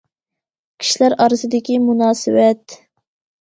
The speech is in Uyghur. كىشىلەر ئارىسىدىكى مۇناسىۋەت.